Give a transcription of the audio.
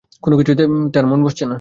কোনো কিছুতেই তার মন বসছে না।